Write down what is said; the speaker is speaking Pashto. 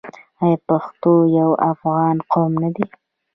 آیا پښتون یو افغان قوم نه دی؟